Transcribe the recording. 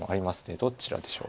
どちらでしょう。